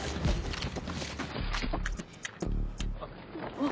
あっ！